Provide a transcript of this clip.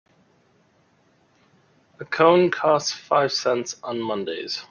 A cone costs five cents on Mondays.